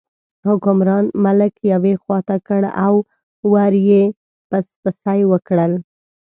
حکمران ملک یوې خوا ته کړ او ور یې پسپسي وکړل.